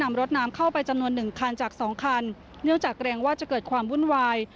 นำรถน้ำเข้าไปจำนวนหนึ่งคันจากสองคันเนื่องจากเกรงว่าจะเกิดความวุ่นวาย